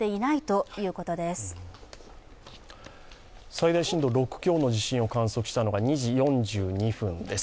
最大震度６強の地震を観測したのは２時４２分です。